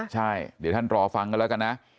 ใช่เดี๋ยวท่านรอฟังกันแล้วกันนะ